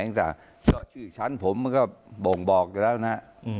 เราต้องมีชันก็บ่งบอกเรานะครับ